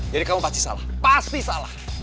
jadi kamu pasti salah pasti salah